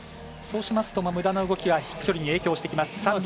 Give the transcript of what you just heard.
そうしますとむだな動きは飛距離に影響してきます。